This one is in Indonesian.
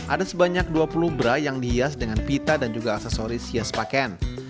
ada sebanyak dua puluh bra yang dihias dengan pita dan juga aksesoris hias pakaian